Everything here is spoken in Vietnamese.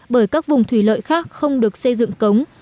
bởi các vùng thủy lợi khác không được xây dựng cống